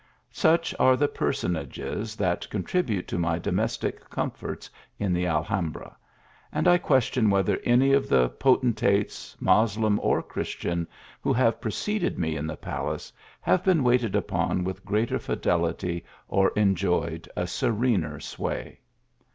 Such are the personages that contribute to my domestic comforts in the Alhambra, and I question whether any of the potentates, Moslem or Christian, who have preceded me in the palace, have been waited upon with greater fidelity or enjoyed a se rener sway.